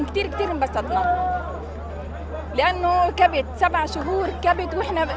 ketika kita menikmati kegembiraan tidak bisa dilihat